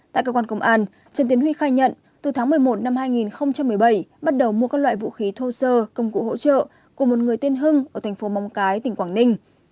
tại cơ quan công an trần tiến huy khai nhận từ tháng một mươi một năm hai nghìn một mươi bảy bắt đầu mua các loại vũ khí thô sơ công cụ hỗ trợ của một người tên hưng ở thành phố mong cái tỉnh quảng ninh